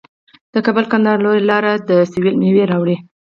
د کابل کندهار لاره د سویل میوې راوړي.